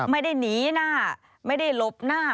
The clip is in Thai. ไม่ได้หนีหน้าไม่ได้หลบหน้า